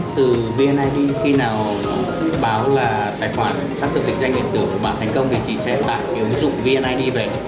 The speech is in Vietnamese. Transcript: thì chị sẽ tạo cái ứng dụng vnid về